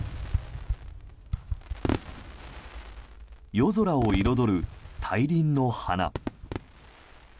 夜空を彩る大輪の花。